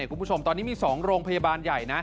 คุณผู้ชมตอนนี้มี๒โรงพยาบาลใหญ่นะ